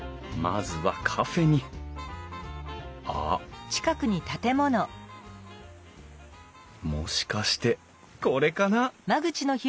まずはカフェにあっもしかしてこれかな？